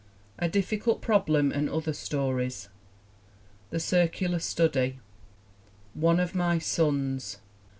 A Difficult Problem and Other Stories. The Circular Study. One of My Sons.